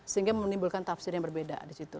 sehingga menimbulkan tafsir yang berbeda di situ